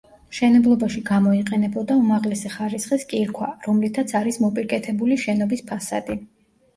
მშენებლობაში გამოიყენებოდა უმაღლესი ხარისხის კირქვა, რომლითაც არის მოპირკეთებული შენობის ფასადი.